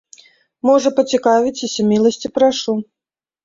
Можа, пацікавіцеся, міласці прашу.